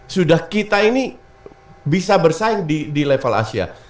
sudah kita ini bisa bersaing di level asia